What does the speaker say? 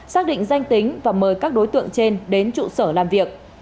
xác định danh tính và mời các đối tượng trên đến trụ sở làm việc